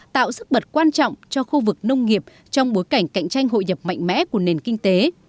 tạo sức bật quan trọng cho khu vực nông nghiệp trong bối cảnh cạnh tranh hội nhập mạnh mẽ của nền kinh tế